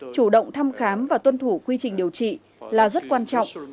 chủ động thăm khám và tuân thủ quy trình điều trị là rất quan trọng